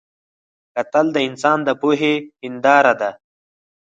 کتل د انسان د پوهې هنداره ده